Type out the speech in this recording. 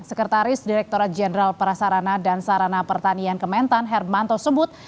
sekretaris direkturat jenderal perasarana dan sarana pertanian kementan hermanto sebut